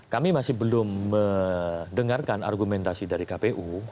kami masih belum mendengarkan argumentasi dari kpu